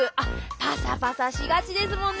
パサパサしがちですもんね。